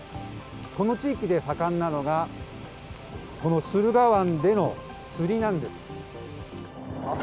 この地域で盛んなのがこの駿河湾での釣りなんです。